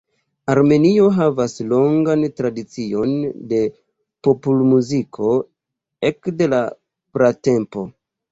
Armenio havas longan tradicion de popolmuziko ekde la pratempo.